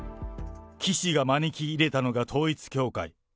岸が招き入れたのが統一教会。